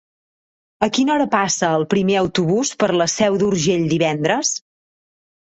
A quina hora passa el primer autobús per la Seu d'Urgell divendres?